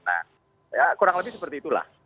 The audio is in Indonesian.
nah kurang lebih seperti itulah